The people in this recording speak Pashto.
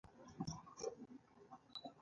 کتل د انسان د پوهې کچه لوړوي